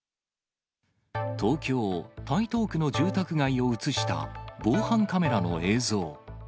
東京・台東区の住宅街を写した防犯カメラの映像。